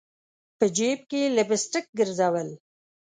په جیب کي لپ سټک ګرزول